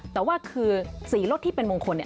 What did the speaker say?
แต่ว่าคือสีรถที่เป็นมงคลเนี่ย